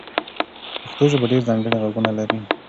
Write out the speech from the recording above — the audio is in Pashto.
پښتو ژبه ډېر ځانګړي غږونه لري.